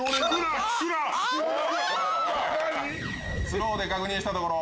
スローで確認したところ。